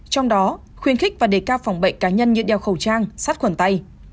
trong đó khuyến khích và đề cao phòng bệnh cá nhân như đeo khẩu trang sát khuẩn tay